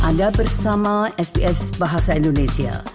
anda bersama sps bahasa indonesia